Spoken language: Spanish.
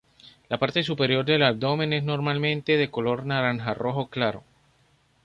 La parte superior del abdomen es normalmente de color naranja-rojo claro.